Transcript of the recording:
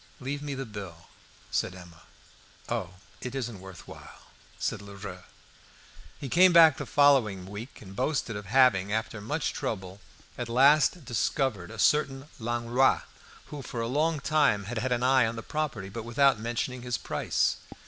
"Leave me the bill," said Emma. "Oh, it isn't worth while," answered Lheureux. He came back the following week and boasted of having, after much trouble, at last discovered a certain Langlois, who, for a long time, had had an eye on the property, but without mentioning his price.